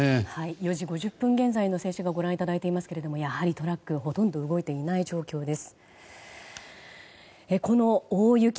４時５０分現在の静止画をご覧いただいていますがトラックはやはりほとんど動いていない状況です。